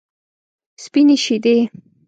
سپینې شیدې.